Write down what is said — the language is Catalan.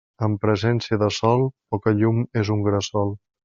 En presència de sol, poca llum és un gresol.